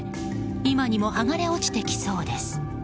今にも剥がれ落ちてきそうです。